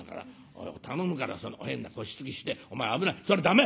「おい頼むからその変な腰つきしてお前危ないそれ駄目！